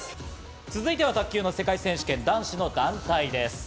続いては、卓球の世界選手権、男子の団体です。